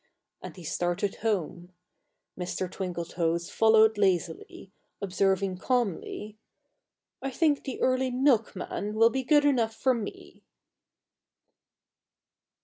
And he started home. Mr. Twinkletoes followed lazily, observing calmly, "I think the early milkman will be good enough for me!"